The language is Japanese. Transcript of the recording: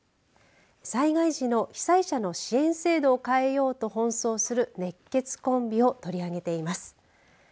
災害時の被災者の支援制度を変えようと奔走する熱血コンビを取り上げています。